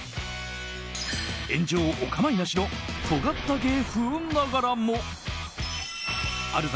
炎上お構いなしのとがった芸風ながらもある